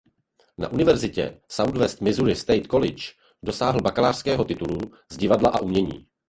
Na universitě Southwest Missouri State College dosáhl bakalářského titulu z divadla a umění.